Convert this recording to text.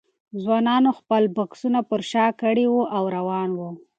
ځوانانو خپل بکسونه پر شا کړي وو او روان وو.